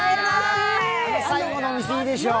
最後の店、いいでしょう？